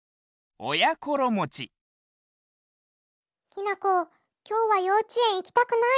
きなこきょうはようちえんいきたくない。